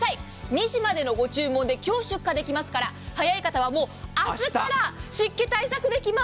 ２時までのご注文で今日、出荷できますから早い方はもう明日から湿気対策できます。